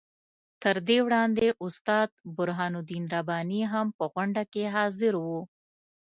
تر دې وړاندې استاد برهان الدین رباني هم په غونډه کې حاضر وو.